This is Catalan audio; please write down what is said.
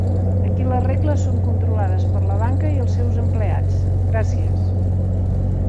Aquí les regles són controlades per la banca i els seus empleats, gràcies.